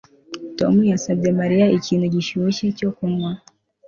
Tom yasabye Mariya ikintu gishyushye cyo kunywa